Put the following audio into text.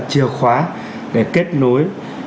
chìa khóa để kết nối